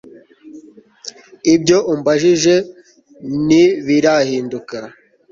ibyo umbajije ntibirahinduka